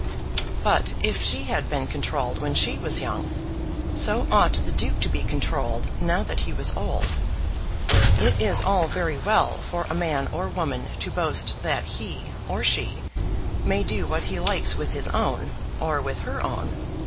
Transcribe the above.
But if she had been controlled when she was young, so ought the Duke to be controlled now that he was old. It is all very well for a man or woman to boast that he, or she, may do what he likes with his own, or with her own.